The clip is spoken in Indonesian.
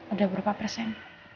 udah berapa persen